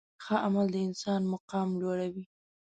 ښه عمل د انسان مقام لوړوي.